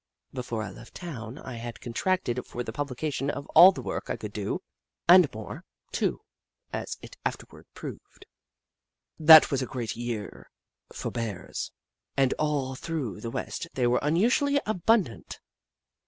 Before I left town, I had contracted for the publication of all the work I could do — and more, too, as it afterward proved. That was a great year for Bears, and all through the West they were unusually abun dant.